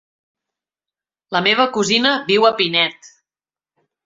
La meva cosina viu a Pinet.